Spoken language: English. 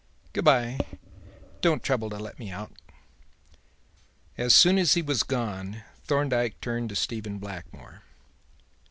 Good bye! Don't trouble to let me out." As soon as he was gone, Thorndyke turned to Stephen Blackmore.